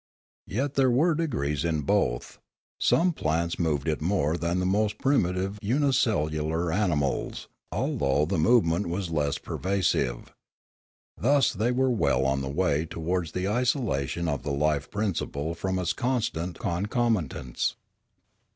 Yet there were degrees in both; some plants moved it more than the most primitive unicellular ani mals, although the movement was less pervasive. Thus were they well on the way towards the isolation of the life principle from its constant concomitants.